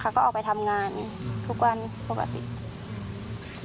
เขาก็ออกไปทำงานทุกวันปกติ